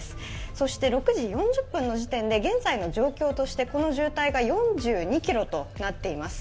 そして６時４０分時点で現在の状況としてこの渋滞が４２ｋｍとなっています。